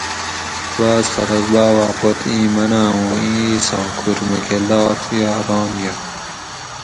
بعض خلق باواۤ پت ایں مناۤں اُوں ایں اِیساں کُھور مکہ لاڷ یا ران یائے